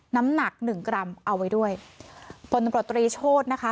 น้ำหนักหนึ่งกรัมเอาไว้ด้วยผลตำรวจตรีโชธนะคะ